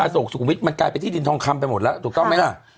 โศกสุขวิทย์มันกลายเป็นที่ดินทองคำไปหมดแล้วถูกต้องไหมล่ะ